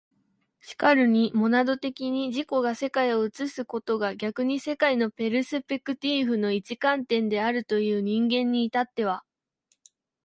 然るにモナド的に自己が世界を映すことが逆に世界のペルスペクティーフの一観点であるという人間に至っては、